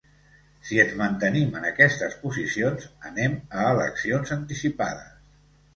Si ens mantenim en aquestes posicions, anem a eleccions anticipades.